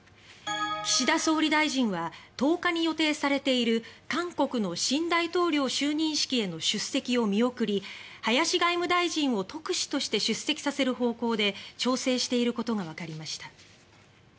岸田総理大臣は１０日に予定されている韓国の新大統領就任式への出席を見送り林外務大臣を特使として出席させる方向で調整していることがわかりました。